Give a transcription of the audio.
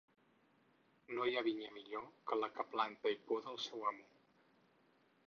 No hi ha vinya millor que la que planta i poda el seu amo.